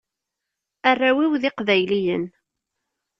Arraw-iw d iqbayliyen.